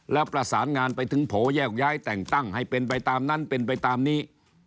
แล้วประสานงานไปถึงโผล่แยกย้ายแต่งตั้งให้เป็นไปตามนั้นเป็นไปตามนี้